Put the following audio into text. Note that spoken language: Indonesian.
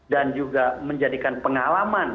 dan juga menjadikan pengalaman